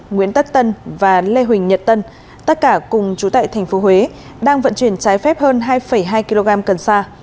nguyễn tất tân và lê huỳnh nhật tân tất cả cùng chú tại tp huế đang vận chuyển trái phép hơn hai hai kg cần sa